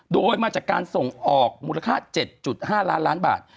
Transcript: โดยมาจากการส่งออกมูลค่า๗๕ล้านล้านบาท